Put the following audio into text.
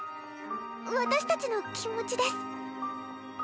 私たちの気持ちです。